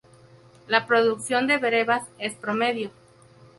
La producción de brevas es promedio.